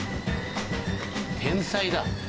天才だ。